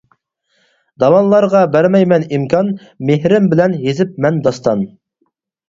داۋانلارغا بەرمەيمەن ئىمكان، مېھرىم بىلەن يېزىپ مەن داستان.